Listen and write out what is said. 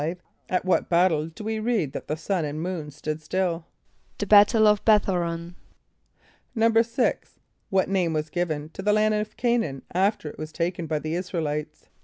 = At what battle do we read that the sun and moon stood still? =The battle of B[)e]th=h[=o]´r[)o]n.= =6.= What name was given to the land of C[=a]´n[)a]an after it was taken by the [)I][s+]´ra el [=i]tes?